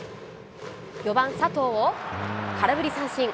４番佐藤を空振り三振。